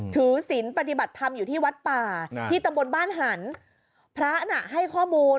ถือศิลปฏิบัติธรรมอยู่ที่วัดป่าที่ตำบลบ้านหันพระน่ะให้ข้อมูล